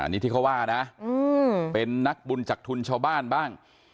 นี่ที่เขาว่านะเป็นนักบุญจากทุนชาวบ้านบ้าง